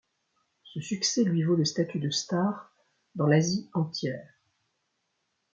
Ce succès lui vaut le statut de star dans l'Asie entière.